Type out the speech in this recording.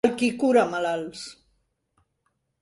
El qui cura malalts.